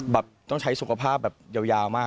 แบบต้องใช้สุขภาพแบบยาวมาก